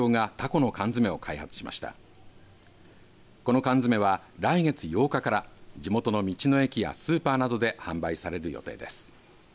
この缶詰は、来月８日から地元の道の駅やスーパーなどで販売される予定です。